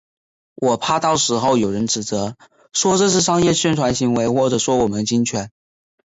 我怕到时候有人指责，说这是商业宣传行为或者说我们侵权